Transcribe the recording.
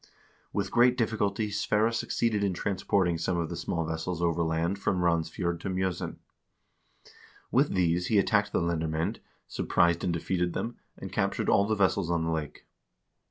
With great difficulty Sverre succeeded in transporting some of the small vessels overland from Randsfjord to Mj0sen. With these he attacked the lendermcend, surprised and defeated them, and captured all the vessels on the lake.